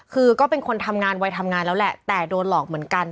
คือก็เป็นคนทำงานวัยทำงานแล้วแหละแต่โดนหลอกเหมือนกัน